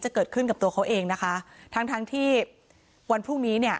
เกิดขึ้นกับตัวเขาเองนะคะทั้งทั้งที่วันพรุ่งนี้เนี่ย